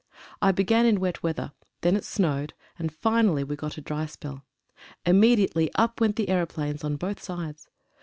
I began in wet weather; then it snowed, and finally we got a dry spell. Immediately up went the aeroplanes on both sides.